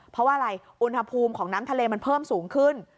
เพราะว่าอะไรอุณหภูมิของน้ำทะเลมันเพิ่มสูงขึ้น